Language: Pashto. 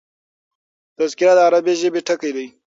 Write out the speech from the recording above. تذکره د عربي ژبي ټکی دﺉ.